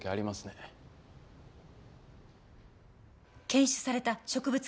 検出された植物